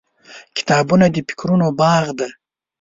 • کتابونه د فکرونو باغ دی.